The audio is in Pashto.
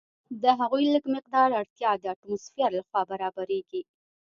د هغوی لږ مقدار اړتیا د اټموسفیر لخوا برابریږي.